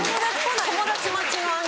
友達待ちの案件。